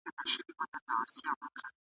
د یوه معتاد لخوا .